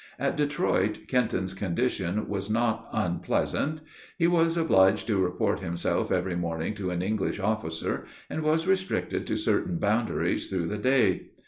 At Detroit, Kenton's condition was not unpleasant. He was obliged to report himself every morning to an English officer; and was restricted to certain boundaries through the day.